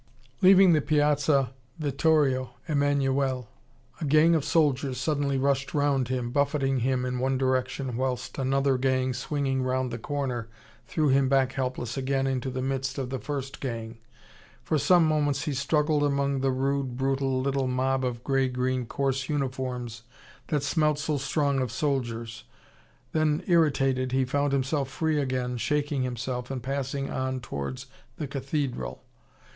Leaving the Piazza Vittorio Emmanuele a gang of soldiers suddenly rushed round him, buffeting him in one direction, whilst another gang, swinging round the corner, threw him back helpless again into the midst of the first gang. For some moments he struggled among the rude, brutal little mob of grey green coarse uniforms that smelt so strong of soldiers. Then, irritated, he found himself free again, shaking himself and passing on towards the cathedral.